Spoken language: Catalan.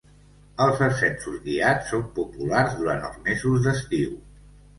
Els ascensos guiats són populars durant els mesos d'estiu.